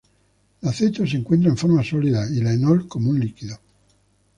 La ceto se encuentra en forma sólida y la enol como un líquido.